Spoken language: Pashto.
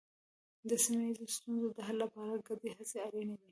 د سیمه ییزو ستونزو د حل لپاره ګډې هڅې اړینې دي.